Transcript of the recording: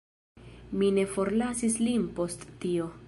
Mi ne forlasis lin post tio.